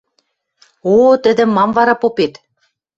– О, тӹдӹм мам вара попет?